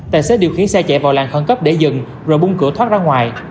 tài xế điều khiển xe chạy vào làng khẩn cấp để dừng rồi bung cửa thoát ra ngoài